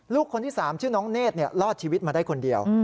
ลูกคนที่๓ชื่อน้องเนธรอดชีวิตมาได้คนเดียว